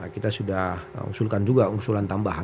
kita sudah usulkan juga usulan tambahan